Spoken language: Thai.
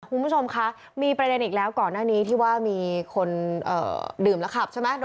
คุณผู้ชมคะมีประเด็นอีกแล้วก่อนหน้านี้ที่ว่ามีคนดื่มแล้วขับใช่ไหม